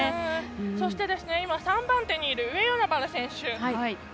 そして、３番手にいる上与那原選手。